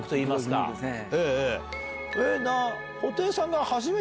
そうですね。